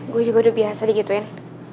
gue juga udah biasa digituin